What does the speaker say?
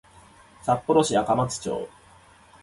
札幌市赤松町